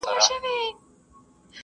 زه اوس ونې ته اوبه ورکوم!